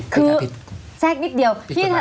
คือแทรกนิดเดียว